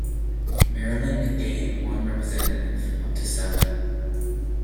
Maryland gained one representative, up to seven.